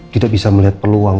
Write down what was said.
tidak bisa melihat peluang